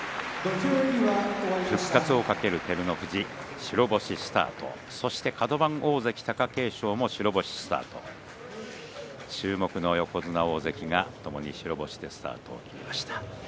復活を懸ける照ノ富士白星スタートそしてカド番大関貴景勝も白星スタート注目の横綱大関がともに白星でスタートを切りました。